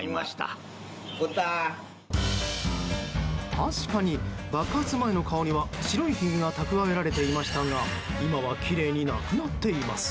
確かに爆発の前の顔には白いひげが蓄えられていましたが今はきれいになくなっています。